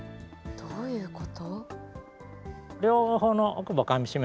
どういうこと？